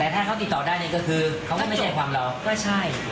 เพราะแม่เขาติดต่อเด็กไม่ได้อย่างเดียวใช่ไหม